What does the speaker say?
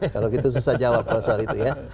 kalau gitu susah jawab kalau soal itu ya